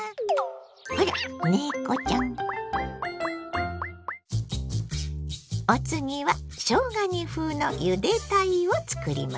あら猫ちゃん！お次はしょうが煮風のゆで鯛を作ります。